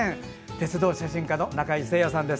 鉄道写真家の中井精也さんです。